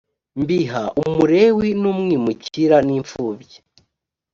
mbiha umulewi n umwimukira n imfubyi